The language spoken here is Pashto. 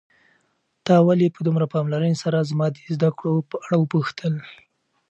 تا ولې په دومره پاملرنې سره زما د زده کړو په اړه وپوښتل؟